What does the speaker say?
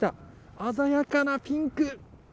鮮やかなピンク。